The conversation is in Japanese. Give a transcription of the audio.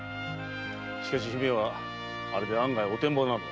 しかし姫はあれで案外おてんばなのだ。